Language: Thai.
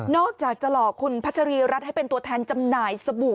อกจากจะหลอกคุณพัชรีรัฐให้เป็นตัวแทนจำหน่ายสบู่